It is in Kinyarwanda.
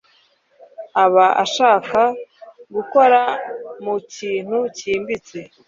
aba ashaka gukora mu kintu cyimbitse